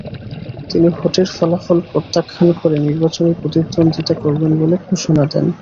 তিনি ভোটের ফলাফল প্রত্যাখ্যান করে নির্বাচনে প্রতিদ্বন্দ্বিতা করবেন বলে ঘোষণা দেন।